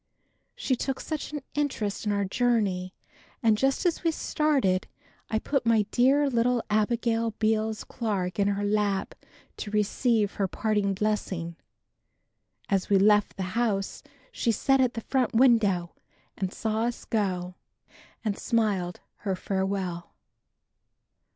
She took such an interest in our journey and just as we started I put my dear little Abigail Beals Clarke in her lap to receive her parting blessing. As we left the house she sat at the front window and saw us go and smiled her farewell.